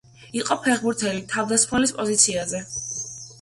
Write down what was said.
იყო ფეხბურთელი, თავდამსხმელის პოზიციაზე.